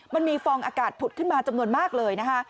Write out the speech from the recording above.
มันมีฟองอากาศผุดขึ้นมาจำนวนมากเลย